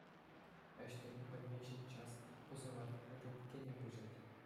Ĕç тӗлне пӗлмен ҫын час пӑсӑлать, этемккене куҫать.